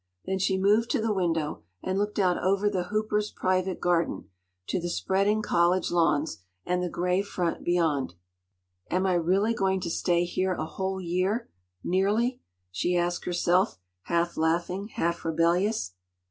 Then she moved to the window, and looked out over the Hoopers’ private garden, to the spreading college lawns, and the grey front beyond. “Am I really going to stay here a whole year—nearly?” she asked herself, half laughing, half rebellious.